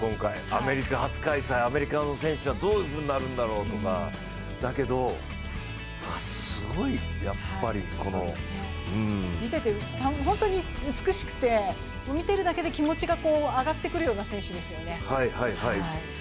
アメリカ初開催、アメリカの選手はどうなるんだろうとかだけど、すごい、やっぱりこの見てて美しくて、見てるだけで気持ちが上がってくるような選手ですよね。